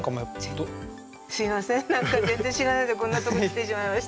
すいません何か全然知らないでこんなとこに来てしまいました。